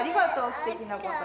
すてきなこと。